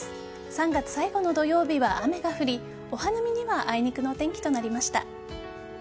３月最後の土曜日は雨が降りお花見にはあいにくのお天気となりました。